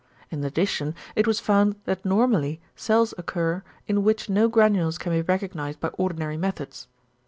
In addition it was found that normally cells occur in which no granules can be recognised by ordinary methods.